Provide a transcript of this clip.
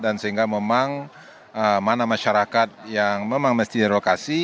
dan sehingga memang mana masyarakat yang memang mesti relokasi